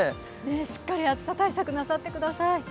しっかり暑さ対策してください。